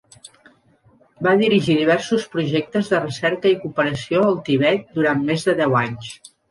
Va dirigir diversos projectes de recerca i cooperació al Tibet durant més de deu anys.